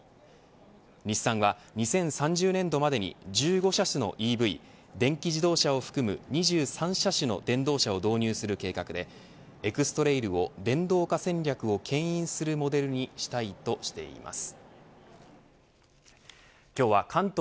日産は２０３０年度までに１５車種のＥＶ電気自動車を含む２３車種の電動車を導入する計画でエクストレイルを木曜日のお天気をお伝えします。